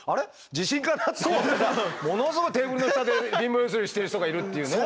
地震かな！？」って思ったらものすごいテーブルの下で貧乏ゆすりしてる人がいるっていうね。